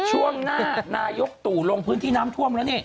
ช่วงหน้านายกตู่ลงพื้นที่น้ำท่วมแล้วนี่